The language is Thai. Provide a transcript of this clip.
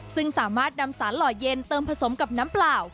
ซึ่งสามารถนำสารหล่อเย็นเติมผสมกับน้ำเปล่า